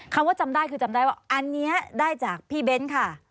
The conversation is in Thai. คำว่าจำได้คือจำได้ว่าอันนี้ได้จากพี่เบ้นค่ะ